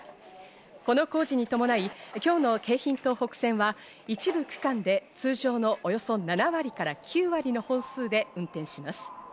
この工事に伴い、今日の京浜東北線は、一部区間で通常のおよそ７割から９割の本数で運転します。